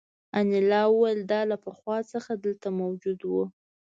انیلا وویل دا له پخوا څخه دلته موجود وو